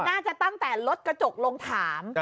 น่าจะตั้งแต่รถกระจกลงถาม